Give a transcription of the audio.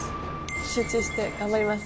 集中して頑張ります。